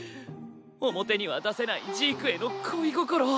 表には出せないジークへの恋心。